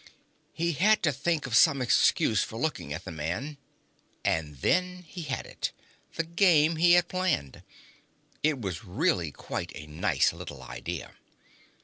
He had to think of some excuse for looking at the man. And then he had it the game he had planned. It was really quite a nice little idea.